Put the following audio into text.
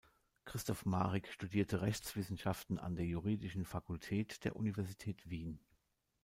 Christoph Marik studierte Rechtswissenschaften an der Juridischen Fakultät der Universität Wien.